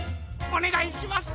おねがいします。